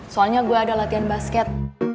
soalnya gue ada latihan basket